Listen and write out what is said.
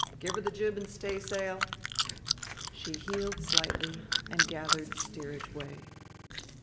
"Give her the jib and stay sail." She heeled slightly and gathered steerage way.